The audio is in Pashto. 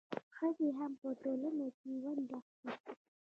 ښځې هم په ټولنه کې ونډه اخلي.